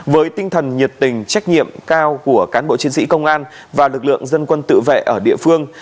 với tinh thần nhiệt tình trách nhiệm cao của cán bộ chiến sĩ công an và lực lượng dân quân tự vệ ở địa phương